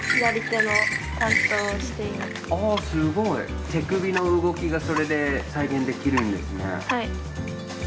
手首の動きがそれで再現できるんですね。